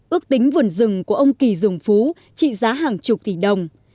ước tính vườn rừng của ông kỳ dùng phú trị giá hàng chục tỷ đồng